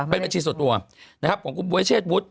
เป็นบัญชีส่วนตัวนะครับของคุณบ๊วยเชษวุฒิ